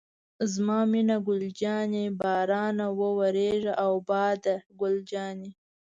زما مینه ګل جانې، بارانه وورېږه او باده ګل جانې.